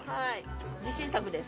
自信作です。